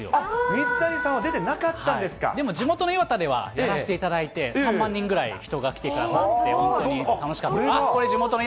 水谷さんは出てなかったんででも地元の磐田ではやらしていただいて、３万人ぐらい人が来ていただいて、本当に楽しかったこれが？